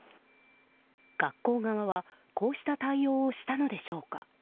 学校側はこうした対応をしたのでしょうか。